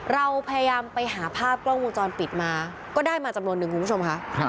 เราพยายามไปหาภาพกล้องวงจรปิดมาก็ได้มาจำนวนนึงคุณผู้ชมค่ะ